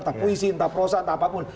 entah puisi entah prosa entah apapun